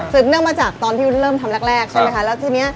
เนื่องมาจากตอนที่เริ่มทำแรกใช่ไหมคะแล้วทีนี้